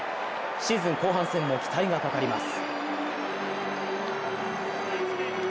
シーズン後半戦も期待がかかります。